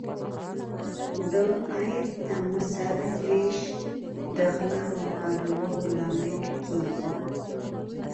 د عاید نامساوي ویش د غلا او نارواوو لامل کیږي.